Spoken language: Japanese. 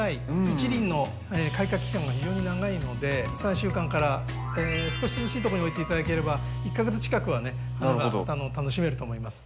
一輪の開花期間が非常に長いので３週間から少し涼しいとこに置いて頂ければ１か月近くはね楽しめると思います。